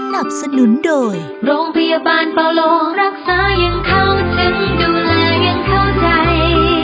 ทุ่มเทการรักษาทุกเวลาด้วยหัวใจ